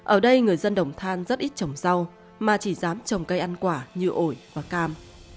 ở đây người dân đồng than rất ít trồng rau mà chỉ dám trồng cây ăn quả như ổi và cam